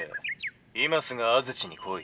今すぐ安土に来い」。